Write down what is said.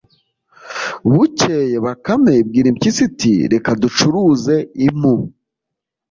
bukeye bakame ibwira impyisi iti : “reka ducuruze impu